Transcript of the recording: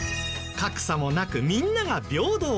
格差もなくみんなが平等。